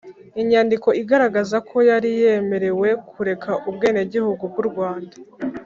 inyandiko igaragaza ko yari yemerewe kureka ubwenegihugu bw’u rwanda